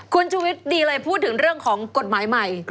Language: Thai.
คุณชูวิทย์ดีเลยพูดถึงเรื่องของกฎหมายใหม่